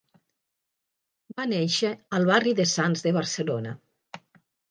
Va néixer al barri de Sants de Barcelona.